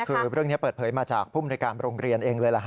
คือเรื่องนี้เปิดเผยมาจากภรกรรมโรงเรียนเองเลย